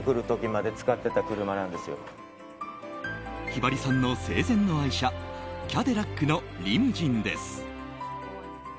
ひばりさんの生前の愛車キャデラックのリムジンです。